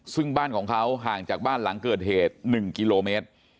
ซึ่งบ้านของเขาห่างจากบ้านหลังเกิดเหตุ๑กิโลเมตร